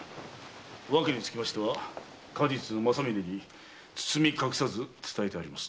理由につきましては過日正峯につつみ隠さず伝えてあります。